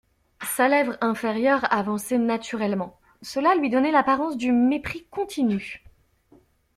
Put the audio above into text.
Sa lèvre inférieure avançait naturellement: cela lui donnait l'apparence du mépris continu.